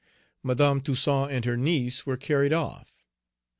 Madame Toussaint and her niece were carried off.